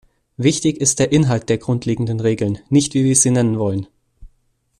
Wichtig ist der Inhalt der grundlegenden Regeln, nicht wie wir sie nennen wollen.